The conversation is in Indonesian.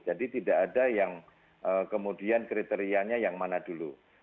jadi tidak ada yang kemudian kriteriannya yang mana dulu